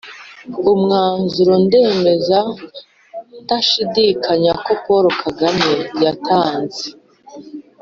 umwanzuro ndemeza ntashidikanya ko paul kagame yatanze